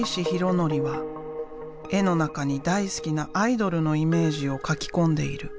則は絵の中に大好きなアイドルのイメージをかき込んでいる。